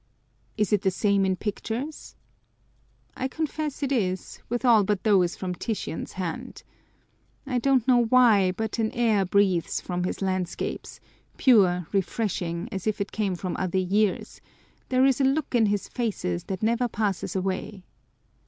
... "Is it the same in pictures?" I confess it is, with all but those from Titian's hand. I don't know why, but an air breathes from his landscapes, pure, refreshing, as if it came from other years ; there is a look in his faces that never passes away.